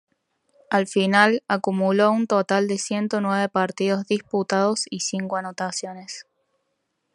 Al final, acumuló un total de ciento nueve partidos disputados y cinco anotaciones.